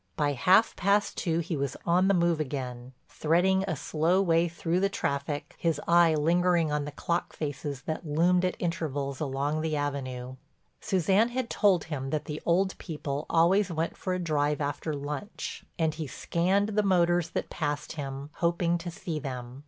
By half past two he was on the move again, threading a slow way through the traffic, his eye lingering on the clock faces that loomed at intervals along the Avenue. Suzanne had told him that the old people always went for a drive after lunch and he scanned the motors that passed him, hoping to see them.